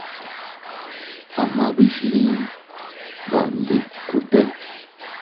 Amaa bislin baʼandikute.